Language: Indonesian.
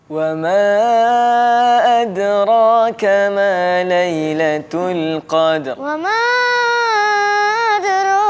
wama adra kemele ilatul qadr